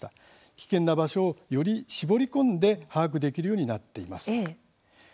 危険な場所をより絞り込んで把握できるようになっています。